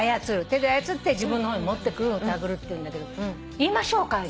手で操って自分の方に持ってくるのを手繰るっていうんだけど言いましょうか？